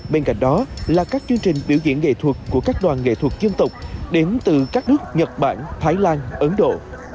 bên cạnh đó là các chương trình biểu diễn nghệ thuật của các đoàn nghệ thuật dân tộc đến từ các nước nhật bản thái lan ấn độ